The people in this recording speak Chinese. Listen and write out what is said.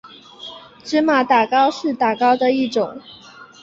芝麻打糕是打糕的一种。